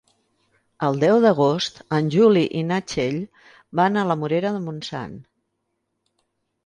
El deu d'agost en Juli i na Txell van a la Morera de Montsant.